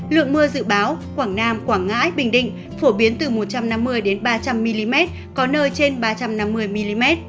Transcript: lượng mưa dự báo quảng nam quảng ngãi bình định phổ biến từ một trăm năm mươi ba trăm linh mm có nơi trên ba trăm năm mươi mm